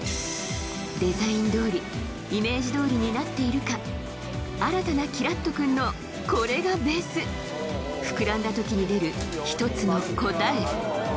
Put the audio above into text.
デザイン通りイメージ通りになっているか新たなきらっと君のこれがベース膨らんだ時に出る１つの答え